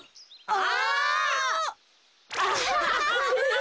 あ？